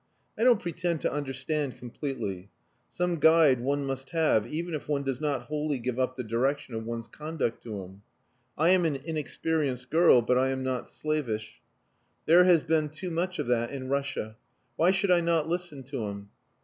"I don't pretend to understand completely. Some guide one must have, even if one does not wholly give up the direction of one's conduct to him. I am an inexperienced girl, but I am not slavish, There has been too much of that in Russia. Why should I not listen to him?